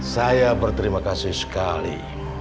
saya berterima kasih sekali